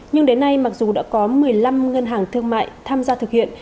nhưng đến nay mặc dù đã có một mươi năm ngân hàng thương mại tham gia thực hiện